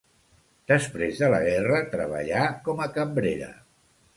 Després de la guerra treballà com a cambrera.